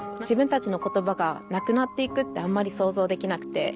自分たちの言葉がなくなって行くってあんまり想像できなくて。